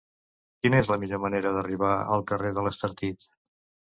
Quina és la millor manera d'arribar al carrer de l'Estartit?